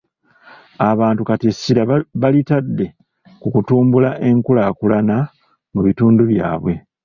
Abantu kati essira balitadde ku kutumbula enkulaakulana mu bitundu byabwe.